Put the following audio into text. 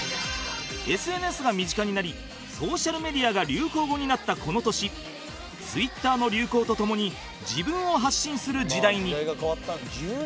ＳＮＳ が身近になり「ソーシャルメディア」が流行語になったこの年 Ｔｗｉｔｔｅｒ の流行とともに自分を発信する時代に